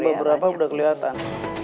sudah kan beberapa sudah kelihatan